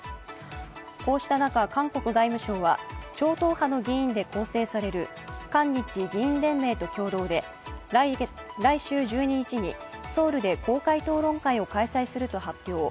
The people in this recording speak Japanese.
こうした中、韓国外務省は超党派の議員で構成される韓日議員連盟と共同で来週１２日にソウルで公開討論会を開催すると発表。